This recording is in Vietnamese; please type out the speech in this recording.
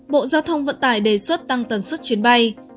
bộ giao thông vận tải đề xuất tăng tần suất chuyến bay